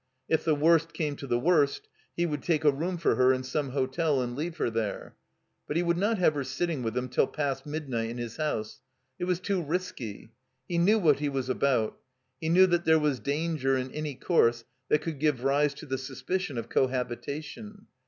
If the worst came to the worst he would take a room for her in some hotel and leave her there. But he would not have her sitting with him till past midnight in his house. It was too risky. He knew what he was about. He knew that there was danger in any course that could give rise to the suspicion of cohabitation.